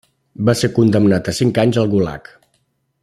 Va ser condemnat a cinc anys al Gulag.